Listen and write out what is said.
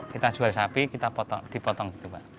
kita jual sapi kita dipotong gitu pak